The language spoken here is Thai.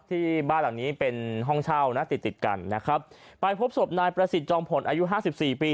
ที่บ้านหลังนี้เป็นห้องเช่านะติดติดกันนะครับไปพบศพนายประสิทธิ์จอมผลอายุห้าสิบสี่ปี